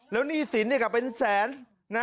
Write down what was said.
แล้วหนี้สินเนี่ยก็เป็นแสน